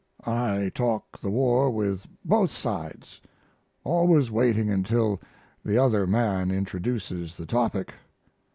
I talk the war with both sides always waiting until the other man introduces the topic.